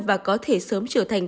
và có thể sớm trở thành